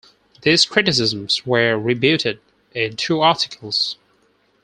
These criticisms were rebutted in two articles.